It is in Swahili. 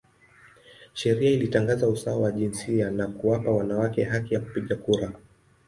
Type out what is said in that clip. Sheria ilitangaza usawa wa jinsia na kuwapa wanawake haki ya kupiga kura.